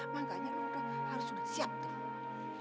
makanya lo udah harus udah siap deh